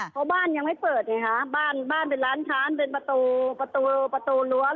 เพราะบ้านยังไม่เปิดไงคะบ้านเป็นร้านช้านเป็นประตูประตูประตูรั้วเหล็กอะ